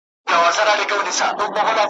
زه به مي څنګه کوچۍ ښکلي ته غزل ولیکم `